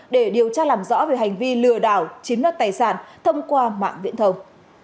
để điều tra làm rõ về hành vi lừa đảo chiếm đất tài sản thông qua mạng viễn thông